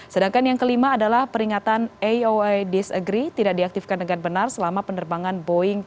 sedangkan yang kelima adalah peringatan aoa disagree tidak diaktifkan dengan benar selama penerbangan boeing tujuh ratus tiga puluh tujuh delapan max